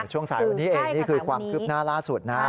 ช่วงสายวันนี้เองนี่คือความคืบหน้าล่าสุดนะครับ